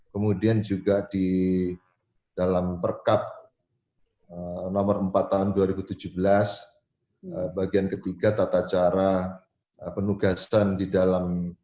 kemudian juga di dalam perkab nomor empat tahun dua ribu tujuh belas bagian ketiga tata cara penugasan di dalam